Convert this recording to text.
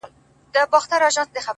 • چي فرنګ ته یادوي د امان توره ,